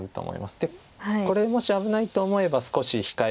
でこれもし危ないと思えば少し控える。